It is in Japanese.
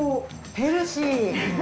ヘルシー。